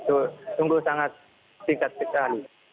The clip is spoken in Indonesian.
itu sungguh sangat tingkat kecali